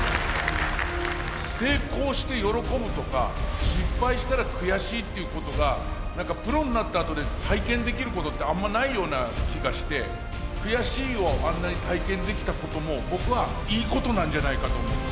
成功して喜ぶとか失敗したら悔しいっていうことが何かプロになったあとで体験できることってあんまないような気がして「悔しい」をあんなに体験できたことも僕はいいことなんじゃないかと思って。